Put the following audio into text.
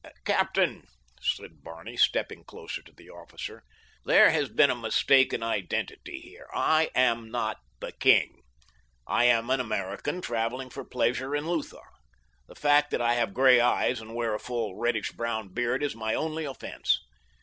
"Captain," said Barney, stepping closer to the officer, "there has been a mistake in identity here. I am not the king. I am an American traveling for pleasure in Lutha. The fact that I have gray eyes and wear a full reddish brown beard is my only offense.